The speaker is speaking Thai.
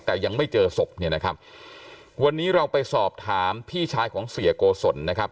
แต่ยังไม่เจอศพเนี่ยนะครับวันนี้เราไปสอบถามพี่ชายของเสียโกศลนะครับ